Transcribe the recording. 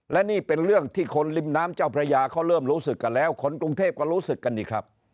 และนี่เป็นเรื่องที่คนริมน้ำเจ้าพระยาเขาเริ่มรู้สึกกันแล้วคนกรุงเทพก็รู้สึกกันนี่ครับ